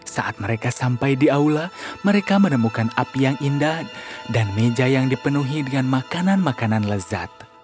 saat mereka sampai di aula mereka menemukan api yang indah dan meja yang dipenuhi dengan makanan makanan lezat